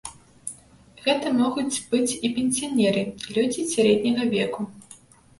Гэта могуць быць і пенсіянеры, людзі сярэдняга веку.